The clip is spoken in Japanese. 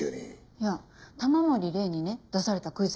いや玉森玲にね出されたクイズなんです。